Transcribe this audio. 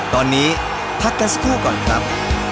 ตอนนี้พักกันสักครู่ก่อนครับ